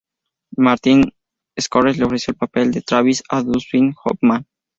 Martin Scorsese le ofreció el papel de Travis a Dustin Hoffman.